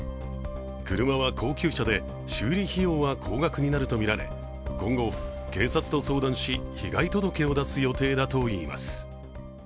車は高級車で、修理費用は高額になるとみられ今後、警察と相談し被害届を出す予定だといいます。